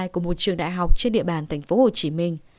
của một trường đại học trên địa bàn thành phố hồ chí minh